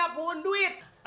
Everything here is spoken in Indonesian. hah yang punya puun duit